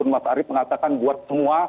mas arief mengatakan buat semua